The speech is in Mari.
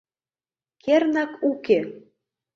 Кернак уке...